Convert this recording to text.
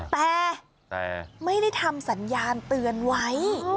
แต่ไม่ได้ทำสัญญาณเตือนไว้